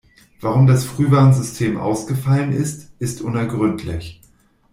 Warum das Frühwarnsystem ausgefallen ist, ist unergründlich.